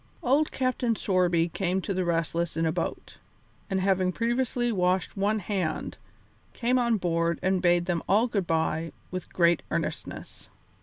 Old Captain Sorby came to the Restless in a boat, and having previously washed one hand, came on board and bade them all good bye with great earnestness.